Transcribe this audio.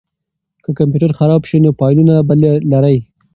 که کمپیوټر خراب شي نو فایلونه به لرئ.